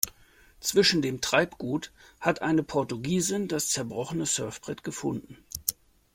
Zwischen dem Treibgut hat eine Portugiesin das zerbrochene Surfbrett gefunden.